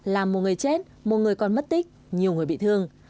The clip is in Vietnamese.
làm một người chết một người còn mất tích nhiều người bị thương